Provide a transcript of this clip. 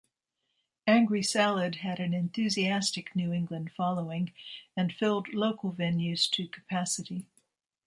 Angry Salad had an enthusiastic New England following and filled local venues to capacity.